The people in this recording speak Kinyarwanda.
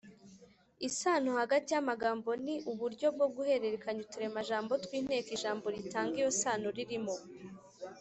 isano hagati y’amagambo ni uburyo bwo guhererekanya uturemajambo tw’inteko ijambo ritanga iyo sano ririmo.